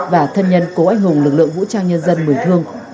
và thân nhân của anh hùng lực lượng vũ trang nhân dân mười thương